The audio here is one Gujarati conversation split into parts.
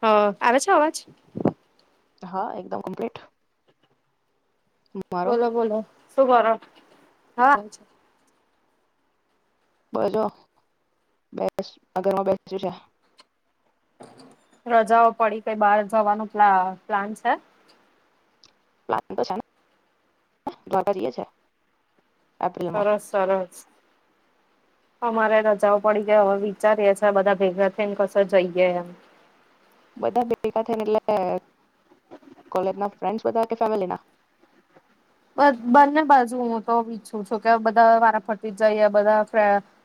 હ આવે છે, અવાજ. હા એકદમ કમ્પ્લીટ મારો બોલો બોલો. શું કરો હા બલો બસ આ ધર મા બેસ્યું છે રજાઓ પડી કઈ બહાર જવાનું પ પ્લાન છે પ્લા તો છે ને દ્વારકા જાયે છે એપ્રિલમાં સરસ સરસ અમારે રજા પડી જાય હવે વિચારીએ છે બધા ભેગા થઈને કશે જઈએ એમ બધા ભહેગા થઈને એટલે કોલેજ ના ફ્રેન્ડ બધા ફેમના બ બંને બાજુ હું તો ઈચ્છું છું કે બધા વારા ફરીતિ જ જઈએ બધા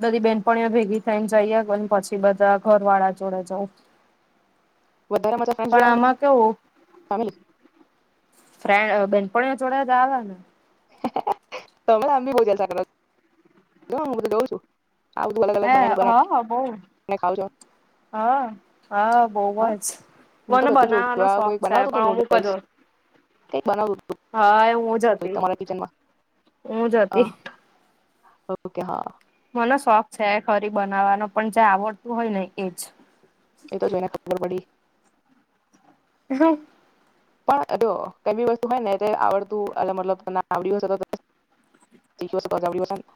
બધી બેનપ ભેગી થઈને જઈએ પછી બધા ઘર વાળા જોડે જઉં વધારે મજા ફ્રેન્ડ જોડે આવે કઇ ફેમિલી ફ્રેન્ડ બેનપણીઓ જોડે જ આવ ને તમેં આમ ભી બો જલસા કરો જ હું બધું જઉં છું આ બધું અલગ અલગ હા બનાવીને બનાવીને હ હ બો ખાવ છો હા હા બો હા જ હું તો મને બધું જોઉં છું બનાવવાનો આ શોખ કોઈ છે બનાવતું હતું પણ નૂડલ્સ અમુકજો કઈક બનાવતું હા એ હું જ હતું હતી તમારા કિચનમાં હ જ હતી ઓકે હા મને શોખ છે ખરી બનાવવાનો પણ જે આવડતું હોય ને એજ એ તો જો એ ને ખબર પડી હ પણ જો કઈ બી વસ્તુ હોય ને આવડતું એ મતલબ [unintelligible]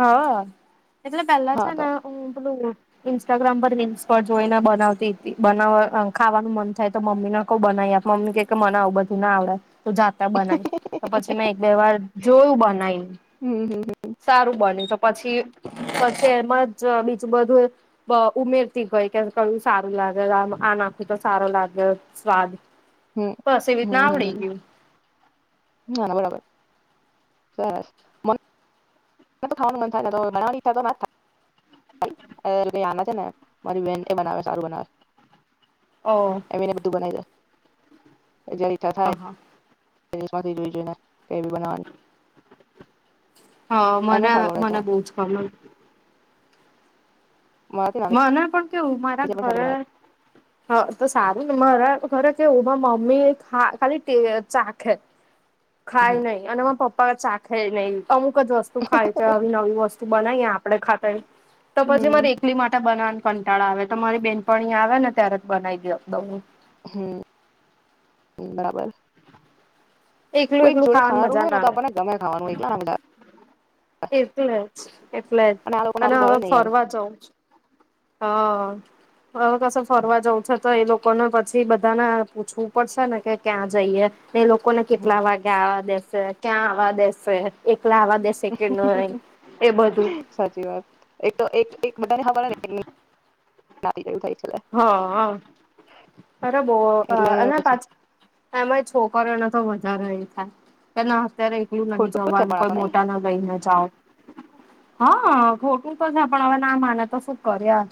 હા એટલે પેલા હા છે તો ને ઉ પેલું ઇન્સ્ટાગ્રામ પર રીલ્સ પર જોઈને બનાવતી હતી બનાવ ખાવાનું મન થાય તો મમ્મીને કો બનાવી આપ મમ્મી કે કે મનાવું બધું ના આવડે તું જાતા બનાય તો પછી મેં એક બે વાર જોયું બનાવીને હમ હમ સારું બને તો પછી પછી એમ જ બીજું બધું બ ઉમેરતી ગય કે કયું સારું લાગે આ નાખું તો સારો લાગે સ્વાદ હમ્મ બસ એવી રીતના આવડી હમ્મ ગયું. બરાબર સરસ ખાવાનું મન થાય [unintelligible] મારીન એ બનાવે સારું બનાવે ઓહ એ મને બધું બનાવી દે એ જેવી [unintelligible] હા થાય જોઈને કેવી બનાવાની હા એને મને સારું આવડે છે મને બહુ જ કમે મારાથી નાની મને પણ કેવું મારા છે પણ સારું ઘરે બનાવે. હ તો સારું ને મારા ખરે કે ઉભા મમ્મી ખાલી ટે ચાખે ખાય હમ નહી અને મા પપ્પા ચાખે નહી અમુક જ વસ્તુ ખાય છે આવી નવી વસ્તુ બનાવીએ આપડે ખાતા તો પછી હમ મારે માટે બનાવાન કંટાળા આવે તો મારી બેન પણં આવે ને ત્યારે જ બનાવી ગયો બ હમ બરાબર એકલું કોઈક એકલું જોડે ખાવાની ખાનારું મજા હોય ને ના તો આવે આપણને ગમે ખાવાનું એકલા ના મજા આવે એટલે જ એટલે જ આ લોકોને અને આપડું હવે ભાવે ને યાર ફરવા જઉ હ હવે કશે ફરવા જવું છે તો એ લોકોને પછી બધાને પૂછવું પડશે ને કે ક્યાં જઈએ ને એ લોકોને કેટલા હમ વાગે દેસે ક્યાં આવવા દેશે એક બધું [inaudible] સાચી વાત એક તો એક બધાને ખબને [inaudible] હા હ બરાબર એટલે અને પછી પાછ એમાં છોક કરના તો મજા એઈ થાય અત્યારે એકલું નહી ખોટું જ છે જવાનું પણ આ તો કોઈ નઈ મોટા ના ગઈને જાઓ હા શું તો છે પણ હવે ના માને તો શું કર યાર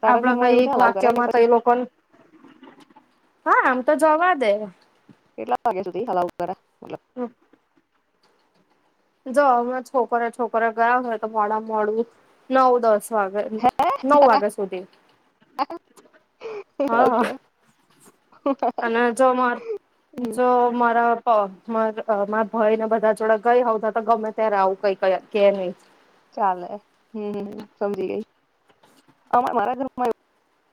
તારા આપણા ઘરમાં કઈ એવું એક હલાવ કરે કે વાક્યમાં તો પછી એ લોકો હા આમ તો જવા દેવ કેટલા વાગ્યા સુધી અગાઉ કરે? મતલબ જો અમે છોકરીઓ છોકરીઓ ગયા હોય તો મોડા મોડું નવ દસ ગ નવ વાગયા સુધી હા ઓકે હ અને જો મા જો મા મારા ભાઈ ને બધા જોડે ગઈ હોવ આવતા ગમે ત્યારે આવું કઈ કે નહી ચાલે હમ સમજી ગય અમા મારા ગ્રુપમાં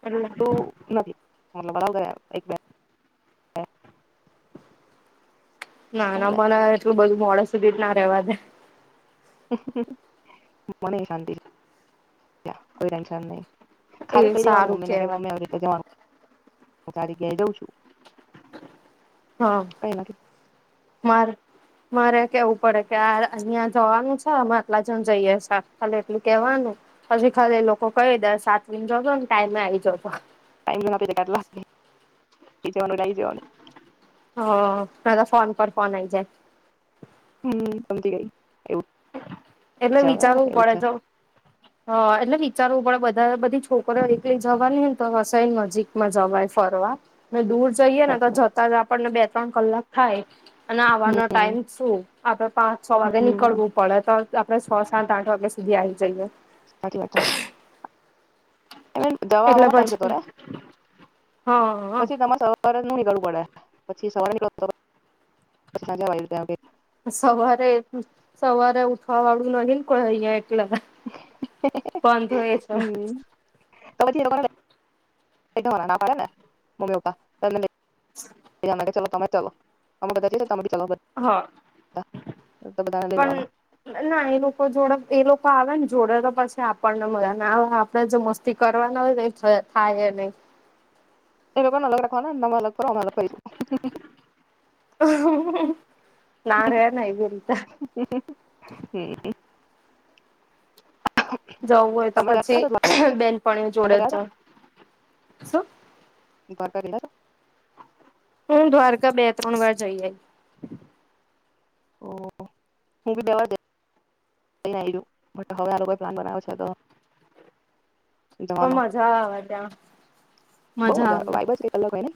એટલે તો નથી મા બરા એક બે નાના ચાલે બાના એટલું બધું મોડા સુધી જ ના રેવા દે મને શાંતિ કોઈ ટેન્શન નહી ખાલી એ કઈ જવાનું સારું મમ્મી ને કે કેવાય મમ્મી આવી રીતે જવાનું હું આ જગ્યાએ જઉં છું હા કઈ નથી મારે મારે કેવું પડે કે આ અહિયાં જવાનું છે અમે આટલા જણ જઈએ ખાલી એટલું કેવાનું પછી ખાલી એ લોકો કહી દે સાચવીને જજો ને ટાઈમે આવીઈ જાજો ટાઈમ [inaudible] [inaudible] એટલે આઇ જવાનું હ ના તો ફોન પર ફોન આવી જાય હમ સમજી ગઈ એવું એટલે છે વિચારવું એવું પડે છે જો હા એટલે વિચારવું પડે બધા બધી છોકરીઓ એકલી જવાની હોય તો વસય નજીકમાં જવાય ફરવા એટલે દૂર જઈયએ ને તો સાચી વાત જતા જ આપણને બે ત્રણ કલાક થાય. અને આવવાનો હમ ટાઈમ શું આપડે પાંચ છ વાગે હમ નીકળવું તે તો આપડે છ સાત આઠ વાગે સુધી આવી જઈએ. સાચી વાત છે. જવા આવવા એટલે માં ટાઈમ જતો પછી રહે હા પછી તમારે સવારે નહિ નીકળવું પડે. પછી સવારે નીકળ. [unintelligible] સવારે સવારે ઉઠવાવાળું નહિ ને કોઈ અહીંયે. બંધ હોય છે. હમ તો પછી એ લોકોને ના પાડે ને મમ્મી પપ્પા એટલે નઈ. [unintelligible] તમે ચલો અમે બધા જઇયે છે તમે બી ચલો હા બધા તો બધાને લઈ લેવાના પણ ના એ લોકો જોડે એ લોકો આવે ન જોડે તો પછી આપણને મજા ના આવે. આપણેે જો મસ્તી કરવાના હોય તો એ થાય નહી. એ લોકોને અલગ રાખવાના ને અમે અલગ ફરીશું નારે નઈ એવી રીતે. જવું હોય તો તમે ગયા પછી છો બેનપણીઓ જોડે દ્વારકા જ ગયા છો જાઉ. તાં ગયેલા છો. હું દ્વારકા બે-ત્રણ વાર જઈ આઈ. ઓ હું બી બે વાર ગઈ. જઈને આઈ ગયું બટ હવે આ લોકોએ પ્લાન બનાવ્યો છે તો પણ જવાનો મજા આવે ત્યાં બહુ મજા આવે વાઇબ જ કંઈક અલગ હોય ને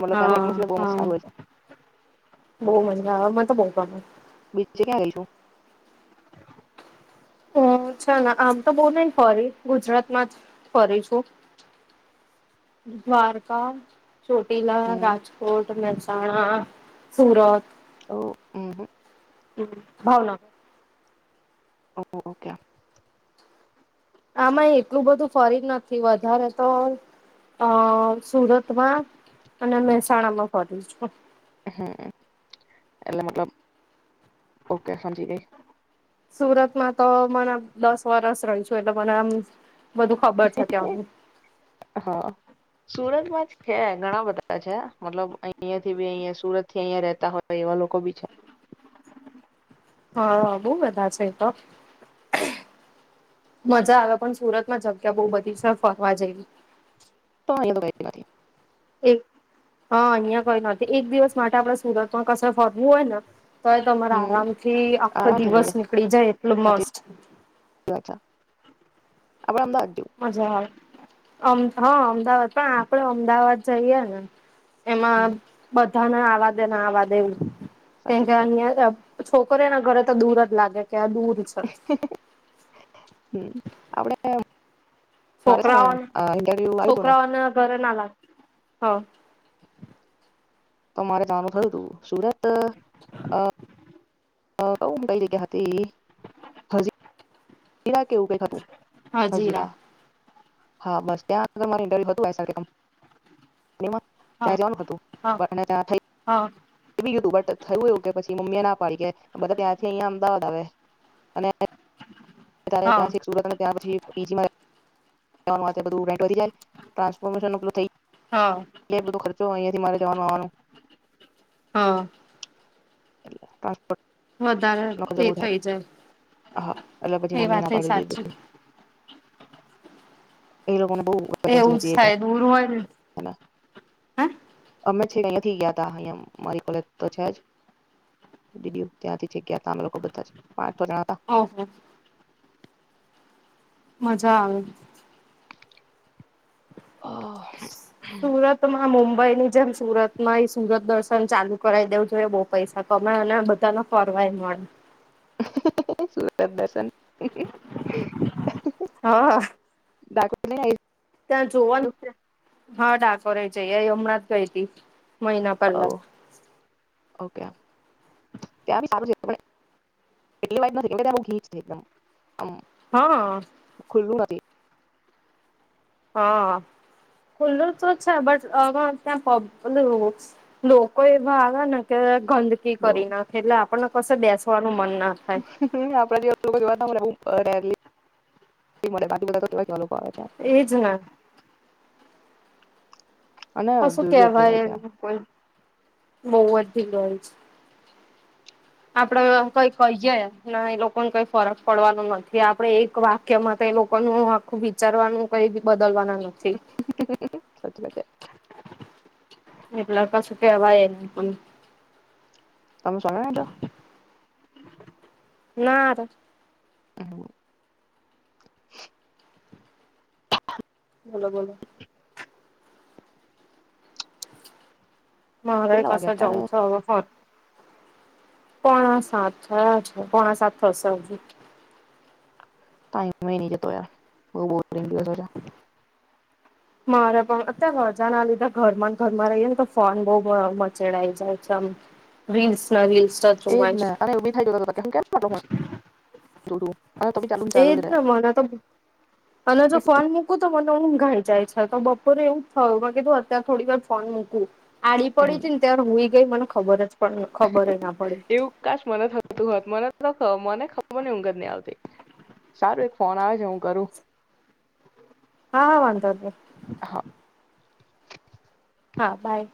મતલબ ત્યાંનું હા એટમોસ્ફિયર બહુ મસ્ત હા સારું હોય છે બહું મજા આવે મન તો બહુ ગમે. બીજે ક્યાં ગઈ છો? હું છે આમ તો બહું નહિ ફરી ગુજરાતમાં જ ફરી છું દ્વારકા ચોટીલા, હમ રાજકોટ, અને ણા સુરત. ઓ અહમ્મ. હમ્મ ભાવનગર [unintelligible] આમય એટલું બધું ફરી નથી વધારે તો અ સુરતમાં અને મહેસાણામાં ફરી છું. હમ્મ એટલે મતલબ ઓકે સમજી ગઈ. સુરતમાં તો મને દસ વરસ રહી છું એટલે મને આમ બધું ખબર છે ત્યાંનું હ સુરતમાં જ કે ઘણા બધા તાં છે. મતલબ અહિયાંથી બી અહયા સુરતથી અહયા રહેતા હોય એવા લોકો બી છે. હમ્મ બહુ બધા છે અહીં તો. મઝા આવે પણ સુરતમાં જ તા બહુ બધી સર ફરવા જઈ. [inaudible] એક હા અહં કઈ નતી એક દિવસ માટે આપડે સુરતમાં કસર ફરવું હોય ને તોય તમારા હમ આરામ થી આખો આરામથી થઈ દિવસ જાય નીકળી જાય એટલું સાચી મસ્ત. વાત છે આપડે અમદાવાદ જેવું મજા આવે. અમ હા અમદાવાદ પણ આપડે અમદાવાદ જઈએ ને એમાં હમ બધ ધાને આવા દે ના આવા દે એવું. તે સાચી વાત અહીયા અ પ છોકરી ના ઘરે તો દૂર જ લાગે. ક્યા દૂર છે. હમ આપડે મારે છે ને છોકરાઓ ઇન્ટરવ્યુ આવ્યું હતું ને છોકરાઓના ઘરે [unintelligible] હ અમારે નાનું થયું હતુ સુરત ત અ હ કઉ કઈલી કેતી હજી [unintelligible] કેવું કે ખતું હાજી હજીરા વા હા બસ ત્યાં આગર મા ઇન્ટર્ય હતું [unintelligible] ને એમા ત્યાં હા જવાનું હતું હા ત્યાં થઈ. હા બટ થયું એ કે પછી મમ્મી એ ના પાડી કે બધા ત્યાંથી અહયા અમદાવાદ આવે અને ત્યારે હા ત્યાંથી સુરત અને ત્યાં પછી પીચીમાં તા માથે બધું રેન્ટ જાય ટ્રાન્સફોર્શનું પેલું થય. હા એ બધો ખર્ચો અયે મારે જવાનું આવવાનું. હા. એ વધારે એ થઇ હા જાય. એટલે પછી એ મમ્મી ના વાતે પાડી સાચી. દીધી એ લોકોનું. એવું જ થાય દૂર હોય ને ટાઈમે હ. અમે છે અહીયાથી ગયા તા અહં મારી કોલેજ તો છે જ દીદી ત્યાંથી છે ગયા ત અમે લોકો બધા જ. પાતરા. ઓહો મજા આવે. સુરત માં મું બઇ એ ની જેમ સુરત માં સુરત દર્શન પણ ચાલુ કરાવી દેવું જોઈએ બહુ પૈસા કમે અને બધા ન ફરવાય મળે [unintelligible] સુુરત દર્શન હા હા [inaudible] ત્યાં જોવાનું છે હા ડાકોર એ જઇ આઇ હમણાં જ ગઈ હતી મહિના ઓ પહેલા ઓકે ત્યાં સારું છે એટલી [inaudible] હમ હા ખુલ્લુ નથી. હા ખુલ્લું તો છે બટ હ ત્યાંલું લોકો એવા આવે ને કે ગંદકી બહુ કરી નાખે એટલે આપણને બસ એ બેસવાનું મન ના થાય. આપડા જેવા લોકો જોવાતો મલે રેર્લી [inaudible] એજ ના અને કશું ભીડ બી એટલી હોય કેવાય છે એ કોઈ બહી [inaudible] હોય છે. આપડે કઈ કહીયે ના એ લોકોને કઈ ફરક પડવાનો નથી આપડણે એક વાક્યમાં તો એ લોકો ન આખું વિચારવાનું કઈ બદલવાનું નથી સાચી વાત છે [inaudible] એલા સુ કેવા એ તમે સોગ તો ના હ [inaudible] બોલો બોલો મહારાએ કેટલા વાગે કસે અત્યારે જવું છે હવે ફરવા પોણા સાત થયા છે પોણા સાત થશે હજુ ટાઈમે નથી જતો યાર બહુ બોરીંગ [inaudible] મારે પણ અત્યારે રજા ના લીધા ઘરમાં ઘરમાં રહીએે ને તો ફોન બહ મચેડાઈ જાય છેમ રીલ્સ ના રીલ્સ જ એજ જોવાય ને [inaudible] છોડું. એજ ને મને તો અને પેલો જો ફોન મૂકું. તો મને ઉઘાઈ જાય છે તો બપોરે એવું જ થયું કે તું અત્યારે થોડી વાર ફોન મૂકું. આડી પડી હતી ને ત્યા ખબર પણ ખબર ના પડી એવું કાશ મને થતું હોત મને તો મને ખબર ની ઉગ જ નહી આવતી સારું એક ફોન આવે છે હું કરું હા વાંધો જ નહીં હા બાય.